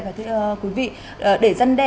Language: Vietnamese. và thưa quý vị để dăn đe